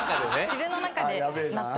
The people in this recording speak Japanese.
自分の中で納得。